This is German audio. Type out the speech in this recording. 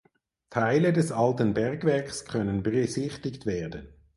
Teile des alten Bergwerks können besichtigt werden.